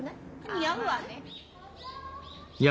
似合うわね。